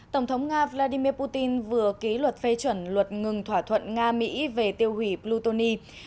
tổng thống nga vladimir putin vừa ký luật phê chuẩn luật ngừng thỏa thuận nga mỹ về tiêu hủy plutoni